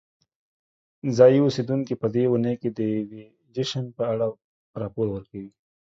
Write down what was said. ځایی اوسیدونکي په دې اونۍ کې د یوې جشن په اړه راپور ورکوي.